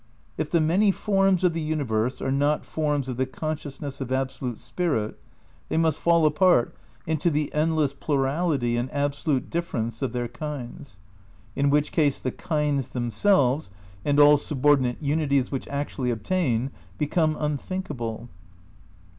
If the many forms of the universe are not forms of the consciousness of absolute Spirit, they must fall apart into the endless plurality and absolute difference of their kinds; in which case the "kinds" themselves, and all subordinate unities which actually obtain, become unthinkable.